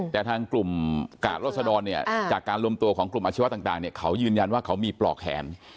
แต่ทางกลุ่มกาดรัศดรเนี่ยจากการรวมตัวของกลุ่มอาชีวะต่างเขายืนยันว่าเขามีปลอกแขน